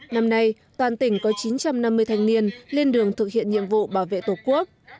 năm nay toàn tỉnh có chín trăm năm mươi thanh niên lên đường thực hiện nhiệm vụ bảo vệ tổ quốc